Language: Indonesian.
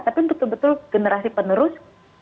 tapi betul betul generasi penerus